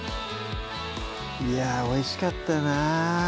いやぁおいしかったな